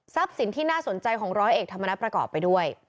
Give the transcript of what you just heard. สินที่น่าสนใจของร้อยเอกธรรมนัฐประกอบไปด้วย